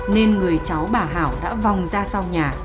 nên người cháu bà hảo đã vòng ra sau nhà